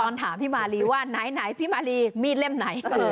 ถามพี่มารีว่าไหนพี่มารีมีดเล่มไหน